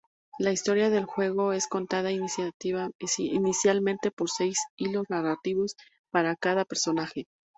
La historia del juego es contada inicialmente por seis hilos narrativos para cada personaje.